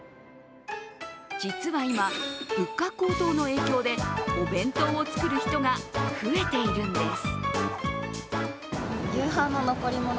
実は今、物価高騰の影響でお弁当を作る人が増えているんです。